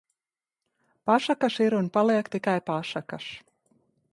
Pasakas ir un paliek tikai pasakas